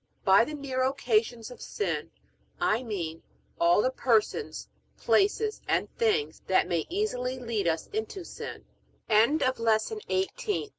By the near occasions of sin I mean all the persons, places, and things that may easily lead us into sin.